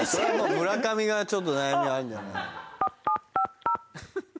村上がちょっと悩みあるんじゃない？